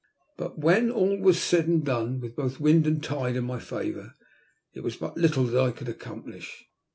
But when all was said and done, with both wind and tide in my favour, it was but little that I could accomplish.